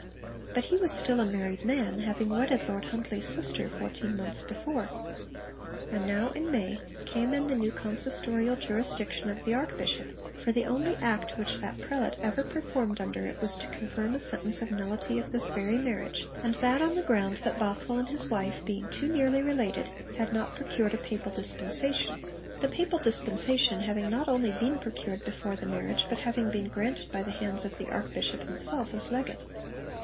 But he was still a married man, having wedded Lord Huntly's sister fourteen months before. And now in May, came in the new consistorial jurisdiction of the Archbishop, for the only act which that prelate ever performed under it was to confirm a sentence of nullity of this very marriage, and that on the ground that Bothwell and his wife being too nearly related, had not procured a Papal dispensation (the Papal dispensation having not only been procured before the marriage, but having been granted by the hands of the Archbishop himself as Legate).